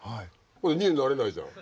２年になれないじゃん